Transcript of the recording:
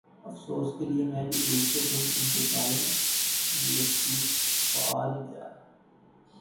افسوس کیلئے میں بھی دوسرے دن ان کے گاؤں لطیفال گیا۔